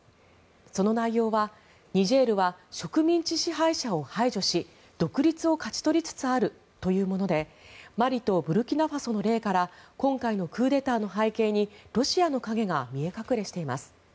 その内容は、ニジェールは植民地支配者を排除し独立を勝ち取りつつあるというものでマリとブルキナファソの例から今回のクーデターの背景にロシアの影が見え隠れしています。